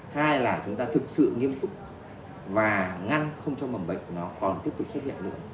hai là chúng ta thực sự nghiêm túc và ngăn không cho mầm bệnh nó còn tiếp tục xuất hiện nữa